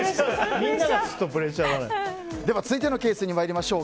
続いてのケースに参りましょう。